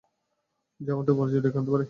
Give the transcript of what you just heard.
যা আমাদের পরাজয় ডেকে আনতে পারে।